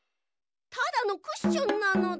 ただのクッションなのだ。